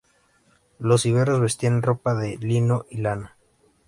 Los iberos vestían ropa de lino y lana.